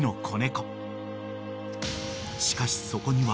［しかしそこには］